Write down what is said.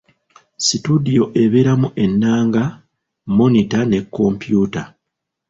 Situdiyo ebeeramu ennanga, mmonita ne kompyuta.